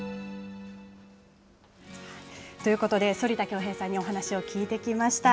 ということで、反田恭平さんにお話を聞いてきました。